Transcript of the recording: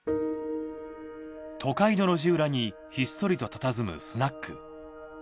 都会の路地裏にひっそりとたたずむスナック。